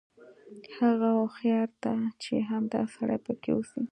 هغه ښار ته چې همدا سړی پکې اوسي.